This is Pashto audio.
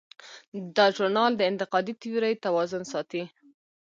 دا ژورنال د انتقادي تیورۍ توازن ساتي.